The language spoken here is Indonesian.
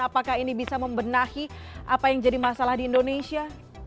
apakah ini bisa membenahi apa yang jadi masalah di indonesia